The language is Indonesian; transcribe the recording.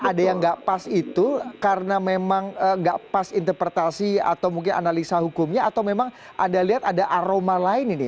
ada yang nggak pas itu karena memang nggak pas interpretasi atau mungkin analisa hukumnya atau memang anda lihat ada aroma lain ini